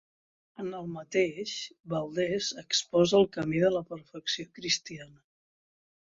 En el mateix, Valdés exposa el camí de la perfecció cristiana.